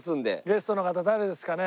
ゲストの方誰ですかね？